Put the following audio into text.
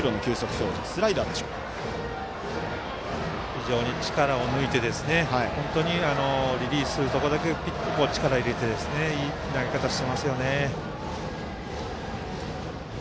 非常に力を抜いて本当にリリースするところだけピッと力を入れていい投げ方をしてますよね。